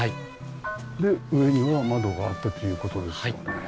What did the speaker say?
で上には窓があってという事ですもんね。